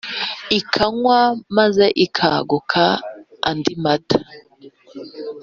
ikanywa maze ígakuka andi mata